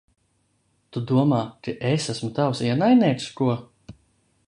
Tu domā, ka es esmu tavs ienaidnieks, ko?